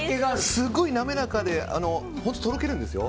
すごい滑らかでとろけるんですよ。